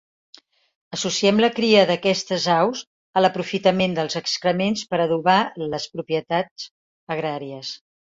Associem la cria d'aquestes aus a l'aprofitament dels excrements per adobar les propietats agràries.